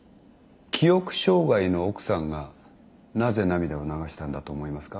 記憶障害の奥さんがなぜ涙を流したんだと思いますか。